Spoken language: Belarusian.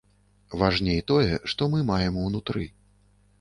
Важней тое, што мы маем унутры.